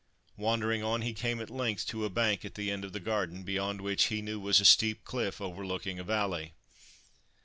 Wandering on, he came at length to a bank at the end of the garden, beyond which he knew was a steep cliff overlooking a valley.